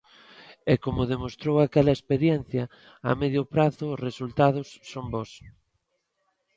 E como demostrou aquela experiencia, a medio prazo os resultados son bos.